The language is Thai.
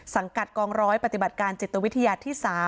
สังกัดกองร้อยปฏิบัติการจิตวิทยาที่๓